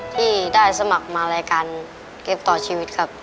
ที่ได้สมัครมารายการเกมต่อชีวิตครับ